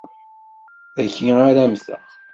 Dagi ara mmteɣ.